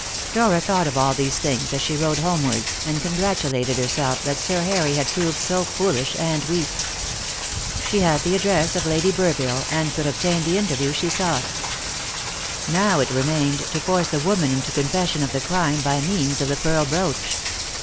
Dora thought of all these things as she rode homewards, and congratulated herself that Sir Harry had proved so foolish and weak. She had the address of Lady Burville, and could obtain the interview she sought. Now it remained to force the woman into confession of the crime by means of the pearl brooch.